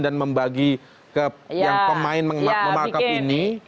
dan membagi ke pemain memakup ini